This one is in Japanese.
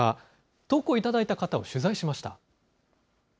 投稿いただいた方を取材しました。